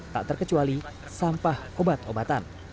tak terkecuali sampah obat obatan